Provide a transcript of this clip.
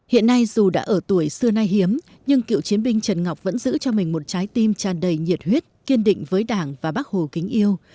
hiện nay dù đã ở tuổi xưa nay hiếm nhưng cựu chiến binh trần ngọc vẫn giữ cho mình một trái tim tràn đầy nhiệt huyết kiên định với đảng và bác hồ kính yêu